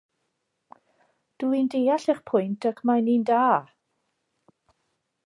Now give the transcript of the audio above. Dw i'n deall eich pwynt ac mae'n un da.